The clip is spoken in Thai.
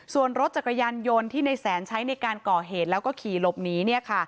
ส่วนรถจักรยานยนต์ที่ในแสนใช้ในการก่อเหตุแล้วก็ขี่หลบหนี